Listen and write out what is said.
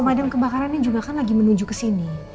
pemadam kebakarannya juga kan lagi menuju ke sini